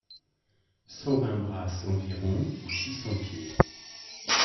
Cent vingt brasses environ ou six cents pieds.